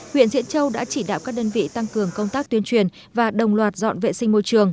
huyện diễn châu đã chỉ đạo các đơn vị tăng cường công tác tuyên truyền và đồng loạt dọn vệ sinh môi trường